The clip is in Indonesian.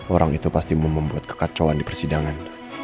orang itu pasti membuat kekacauan di persidangan